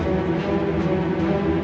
jangan sampai aku kemana mana